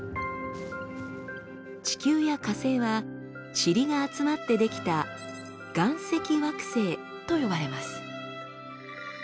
地球や火星はチリが集まって出来た「岩石惑星」と呼ばれます。